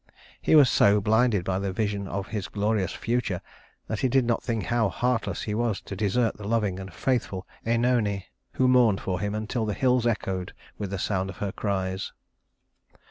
He was so blinded by the vision of his glorious future that he did not think how heartless he was to desert the loving and faithful Œnone, who mourned for him until the hills echoed with the sound of her cries.